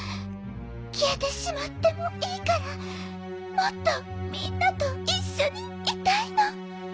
きえてしまってもいいからもっとみんなといっしょにいたいの！